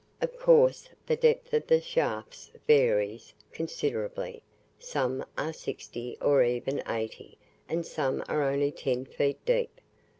Of course the depth of the shafts varies considerably; some are sixty or even eighty, and some are only ten feet deep.